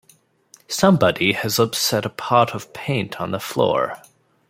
Somebody has upset a pot of paint on the floor.